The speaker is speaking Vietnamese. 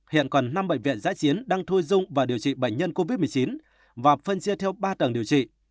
hiện còn năm bệnh viện giãi chiến đang thu dung và điều trị bệnh nhân covid một mươi chín và phân chia theo ba tầng điều trị